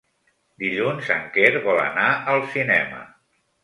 Dilluns en Quer vol anar al cinema.